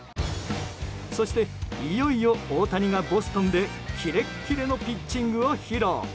そして、いよいよ大谷がボストンでキレッキレのピッチングを披露。